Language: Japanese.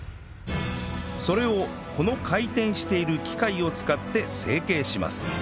それをこの回転している機械を使って成形します